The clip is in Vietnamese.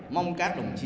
mong các đồng chí